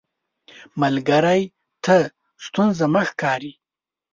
ملګری ته ستونزه مه ښکاري